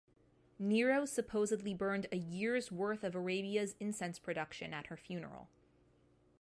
Nero supposedly burned a year's worth of Arabia's incense production at her funeral.